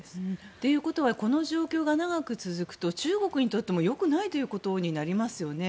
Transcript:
ということはこの状況が長く続くと中国にとっても良くないということになりますよね。